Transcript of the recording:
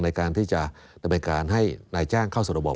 ในการที่จะดำเนินการให้นายจ้างเข้าสู่ระบบ